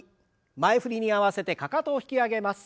前振りに合わせてかかとを引き上げます。